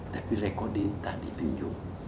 tapi rekodnya tak ditunjuk